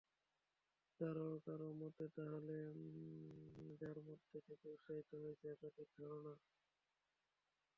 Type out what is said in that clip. কারো কারো মতে, তাহলো যার মধ্য থেকে উৎসারিত হয়েছে একাধিক ঝরনা।